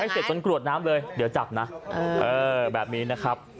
เสร็จจนกรวดน้ำเลยเดี๋ยวจับนะแบบนี้นะครับ